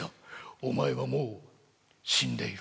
お前はもう死んでいる」。